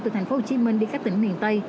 từ thành phố hồ chí minh đi khách tỉnh miền tây